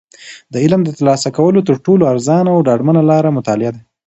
د علم د ترلاسه کولو تر ټولو ارزانه او ډاډمنه لاره مطالعه ده.